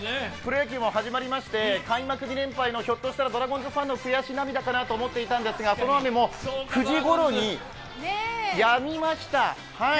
プロ野球も始まりまして開幕２連敗の、ひょっとしたらドラゴンズファンの悔し涙かなと思っていたんですけど、その雨も９時ごろにやみました。